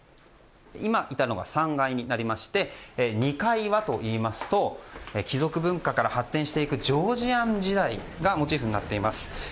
今、いたのが３階になりまして２階はというと貴族文化から発展していくジョージアン時代がモチーフになっています。